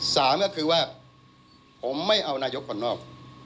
สามก็คือว่าผมไม่เอานายกคนนอก